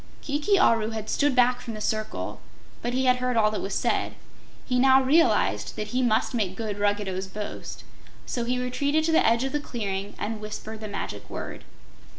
Kiki Aru had stood back from the circle, but he had heard all that was said. He now realized that he must make good Ruggedo's boast, so he retreated to the edge of the clearing and whispered the magic word.